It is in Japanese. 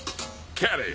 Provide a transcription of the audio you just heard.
キャリー！